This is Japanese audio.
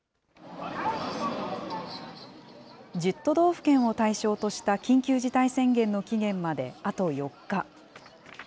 １０都道府県を対象とした緊急事態宣言の期限まであと４日。